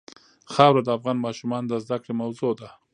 خاوره د افغان ماشومانو د زده کړې موضوع ده.